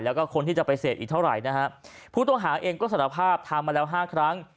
แล้วก็คนที่จะไปเสพอีกเท่าไหร่นะฮะผู้ต้องหาเองก็สารภาพทำมาแล้วห้าครั้ง